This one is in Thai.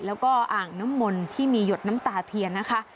แล้วก็อ่างน้ำมนที่มีหยดน้ำตาเทียนนะคะ